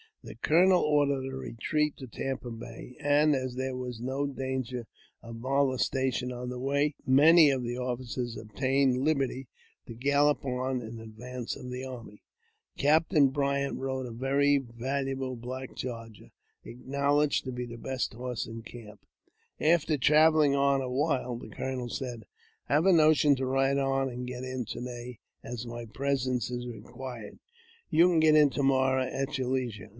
The colonel ordered a retreat to Tampa Bay, and, as there was no danger of molestation on the way, many of the officers obtained liberty to gallop on in advance of the . army. Colonel Bryant rode a very valuable black charger, ll acknowledged to be the best horse in camp. After traveUing ^" on a while, the colonel said, '* I have a notion to ride on and get in to day, as my presence is required ; you can get in AM to morrow at your leisure."